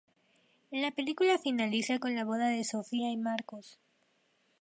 La película finaliza con la boda de Sofía y Marcos.